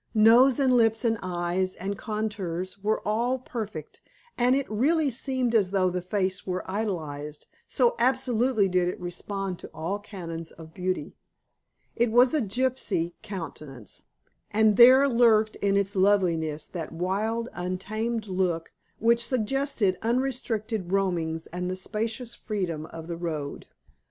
Nose and lips and eyes, and contours, were all perfect, and it really seemed as though the face were idealized, so absolutely did it respond to all canons of beauty. It was a gypsy countenance, and there lurked in its loveliness that wild, untamed look which suggested unrestricted roamings and the spacious freedom of the road.